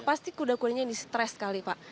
pasti kuda kudanya ini stres sekali pak